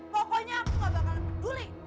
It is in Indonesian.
pokoknya aku gak bakalan peduli